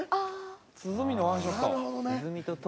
鼓のワンショット。